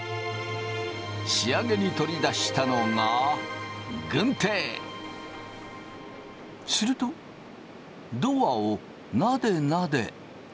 仕上げに取り出したのがするとドアをなでなで。